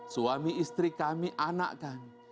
suami istri kami anak kami